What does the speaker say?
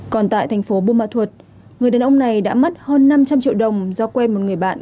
còn tại thành phố bùa mạ thuật người đàn ông này đã mất hơn năm trăm linh triệu đồng do quen một người bạn